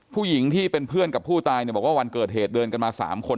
ผู้หญิงที่เป็นเพื่อนกับผู้ตายเนี่ยบอกว่าวันเกิดเหตุเดินกันมา๓คน